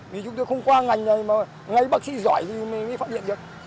vì chúng tôi không qua ngành nghề mà ngay bác sĩ giỏi thì mới phát hiện được